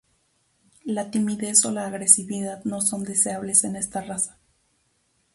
La timidez o la agresividad no son deseables en esta raza.